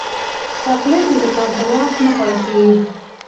چاکلېټ د زکام پر وخت نه خوړل کېږي.